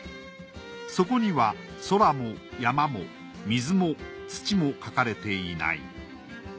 そこには空も山も水も土も描かれていない。